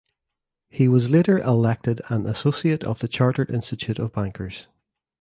He was later elected an Associate of the Chartered Institute of Bankers.